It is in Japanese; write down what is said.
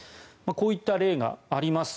こういった例があります。